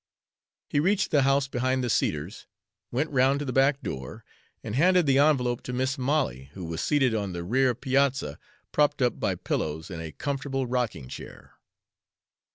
He reached the house behind the cedars, went round to the back door, and handed the envelope to Mis' Molly, who was seated on the rear piazza, propped up by pillows in a comfortable rocking chair.